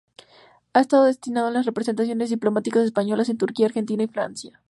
Ha estado destinado en las representaciones diplomáticas españolas en Turquía, Argentina y Francia.